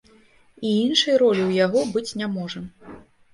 І іншай ролі ў яго быць не можа.